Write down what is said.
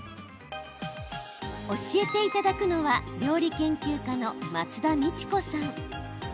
教えていただくのは料理研究家の松田美智子さん。